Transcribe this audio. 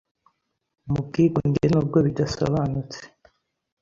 Mu bwigunge nubwo bidasobanutse